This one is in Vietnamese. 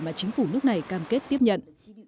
mà chính phủ nước này cam kết tiếp nhận